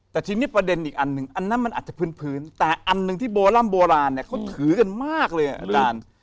แต่ทีนี้ประเด็นอีกอันหนึ่งอันนั้นมันอาจจะพื้นแต่อันหนึ่งที่โบร่ำโบราณเนี่ยเขาถือกันมากเลยอาจารย์